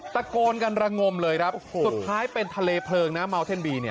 ตะโกนกันระงมเลยครับสุดท้ายเป็นทะเลเพลิงนะเมาเท่นบีเนี่ย